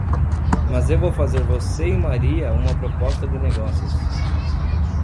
Mas eu vou fazer você e Maria uma proposta de negócios.